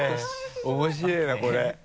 面白いなこれ。